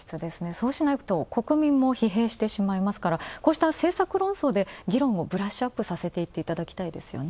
そうしないと、国民も疲弊してしまいますから、政策論争で議論をブラッシュアップさせていってほしいですね。